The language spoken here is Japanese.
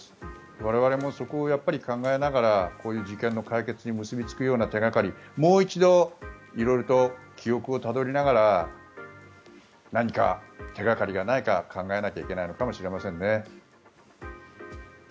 我々もそこを考えながらこういう事件の解決に結びつくような手掛かりもう一度色々と記憶をたどりながら何か手掛かりがないか考えないといけないのかもしれませんね。